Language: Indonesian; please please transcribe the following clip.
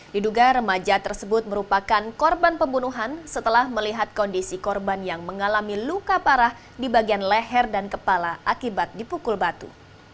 diduga remaja tersebut merupakan korban pembunuhan setelah melihat kondisi korban yang mengalami luka parah di bagian leher dan kepala akibat dipukul batu